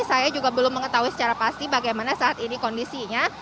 saya juga belum mengetahui secara pasti bagaimana saat ini kondisinya